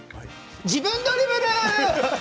自分ドリブル！